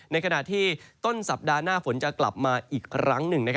ในขณะที่ต้นสัปดาห์หน้าฝนจะกลับมาอีกครั้งหนึ่ง